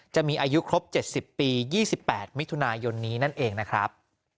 จะมีอายุครบเจ็ดสิบปียี่สิบแปดมิถุนายนนี้นั่นเองนะครับ